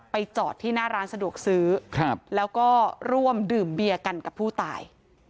จอดที่หน้าร้านสะดวกซื้อแล้วก็ร่วมดื่มเบียร์กันกับผู้ตาย